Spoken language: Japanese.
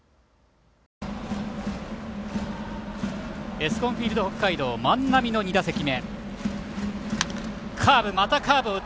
エスコンフィールド北海道万波の２打席目。